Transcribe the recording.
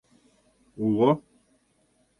Уло.